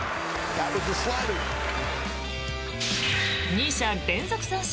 ２者連続三振。